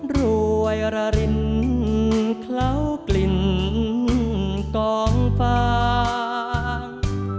รวยระรินเคล้ากลิ่นกองฟาง